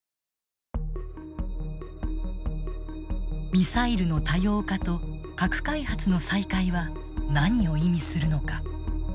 ミサイルの多様化と核開発の再開は何を意味するのか？